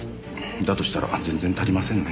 だとしたら全然足りませんね。